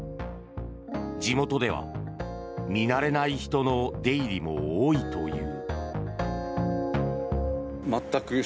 地元では見慣れない人の出入りも多いという。